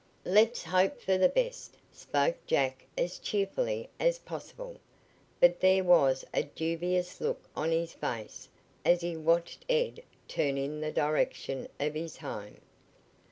"Let's hope for the best," spoke Jack as cheerfully as possible, but there was a dubious look on his face as he watched Ed turn in the direction of his home.